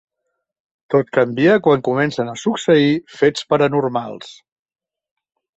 Tot canvia quan comencen a succeir fets paranormals.